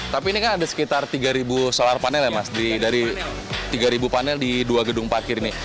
tapi ini kan ada sekitar tiga solar panel ya mas dari tiga panel di dua gedung parkir ini